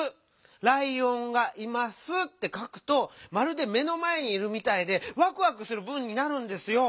ライオンが「います」ってかくとまるで目のまえにいるみたいでワクワクする文になるんですよ。